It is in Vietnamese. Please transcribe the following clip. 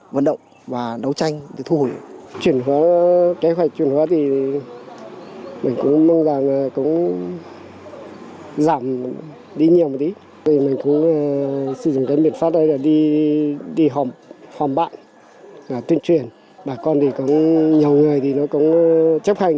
bà con thì có nhiều người thì nó cũng chấp hành